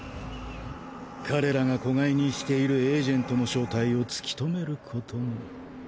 彼らが子飼いにしているエージェントの正体を突き止めることも。